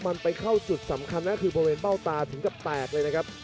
มันไปเข้าสุดสำคัญนะครับคือประเภทเป้าตาถึงจะแตกเลยนะครับ